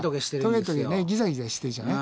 トゲトゲねギザギザしてるじゃない？